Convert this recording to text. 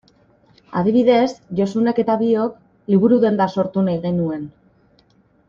Adibidez, Josunek eta biok liburu-denda sortu nahi genuen.